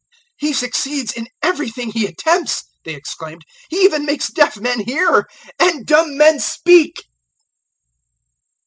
"He succeeds in everything he attempts," they exclaimed; "he even makes deaf men hear and dumb men speak!"